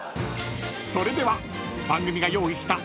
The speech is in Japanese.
［それでは番組が用意した］